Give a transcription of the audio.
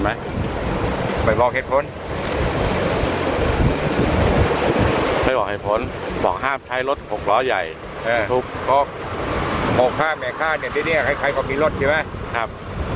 ให้บอกเหตุผลบอกห้าใช้รถ๖ล้อใหญ่